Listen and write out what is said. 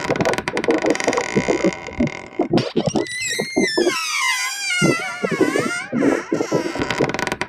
অস্ট্রেলিয়ায় প্রাপ্ত ব্যবহৃত পাথরের যন্ত্রপাতি নিয়ে বেশ বিতর্ক আছে।